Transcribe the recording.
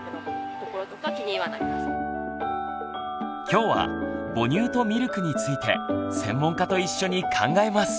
今日は「母乳とミルク」について専門家と一緒に考えます。